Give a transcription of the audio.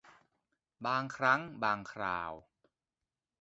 บางครั้งบางคราว